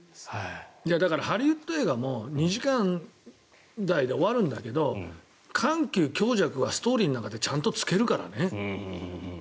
ハリウッド映画も２時間台で終わるんだけど緩急、強弱はストーリーの中でちゃんとつけるからね。